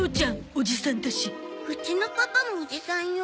うちのパパもおじさんよ。